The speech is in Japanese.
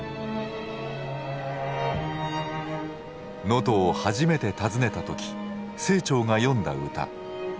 能登を初めて訪ねた時清張が詠んだ歌。